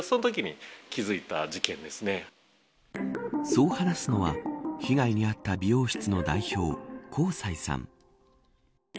そう話すのは被害に遭った美容室の代表香西さん。